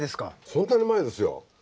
そんなに前ですよ。